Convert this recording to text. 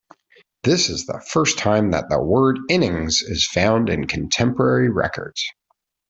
This is the first time that the word "innings" is found in contemporary records.